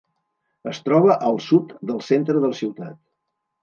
Es troba al sud del centre de la ciutat.